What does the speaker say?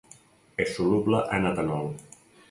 És soluble en etanol.